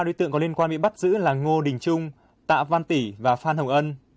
ba đối tượng có liên quan bị bắt giữ là ngô đình trung tạ văn tỷ và phan hồng ân